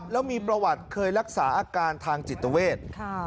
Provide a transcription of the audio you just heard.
แล้วมีประวัติเคยรักษาอาการทางจิตเวท